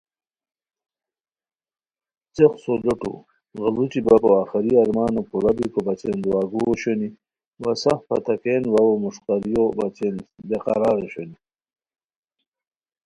څیق سو لوٹو غیڑوچی بپو آخری ارمانو پورہ بیکو بچین دعا گو اوشونی وا سف پھتا کین واوو مݰقاریو بچین بیقرار اوشونی